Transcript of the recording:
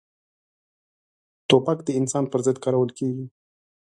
توپک د انسان پر ضد کارول کېږي.